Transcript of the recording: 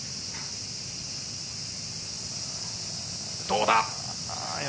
どうだ？